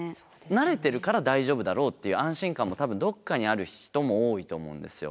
慣れてるから大丈夫だろうっていう安心感も多分どっかにある人も多いと思うんですよ。